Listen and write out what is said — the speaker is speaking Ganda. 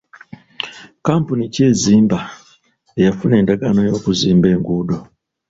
Kampuni ki ezimba eyafuna endagaano y'okuzimba enguudo?